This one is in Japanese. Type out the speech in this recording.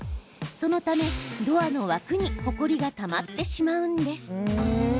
そのためドアの枠にほこりが、たまってしまうんです。